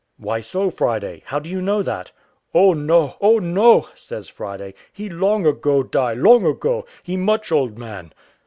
"Why so, Friday? how do you know that?" "Oh no, Oh no," says Friday, "he long ago die, long ago; he much old man."